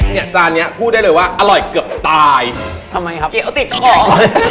จานเนี้ยพูดได้เลยว่าอร่อยเกือบตายทำไมครับเดี๋ยวติดของ